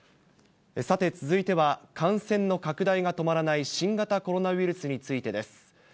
さて、続いては感染の拡大が止まらない新型コロナウイルスについてです。